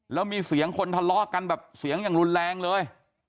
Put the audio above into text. แล้วมีเสียงคนทะเลาะกันแบบเสียงอย่างรุนแรงเลย